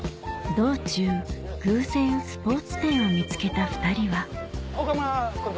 道中偶然スポーツ店を見つけた２人は岡村君と。